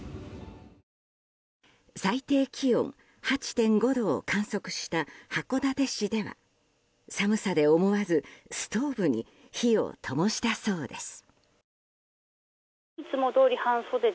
最低気温８．５度を観測した函館市では寒さで思わずストーブに火をともしたそうです。